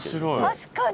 確かに。